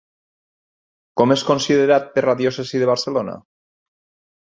Com és considerat per la diòcesi de Barcelona?